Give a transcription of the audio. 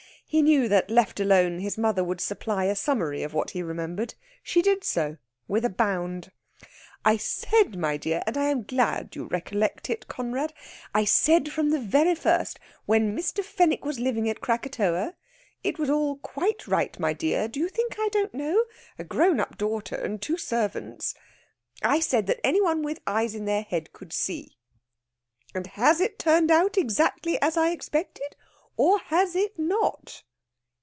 He knew that, left alone, his mother would supply a summary of what he remembered. She did so, with a bound. "I said, my dear (and I am glad you recollect it, Conrad) I said from the very first, when Mr. Fenwick was living at Krakatoa (it was all quite right, my dear. Do you think I don't know? A grown up daughter and two servants!) I said that any one with eyes in their head could see. And has it turned out exactly as I expected, or has it not?"